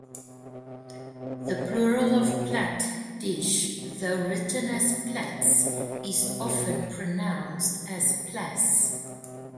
The plural of "plat" 'dish', though written as "plats", is often pronounced as "plas".